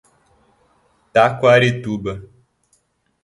Taquarituba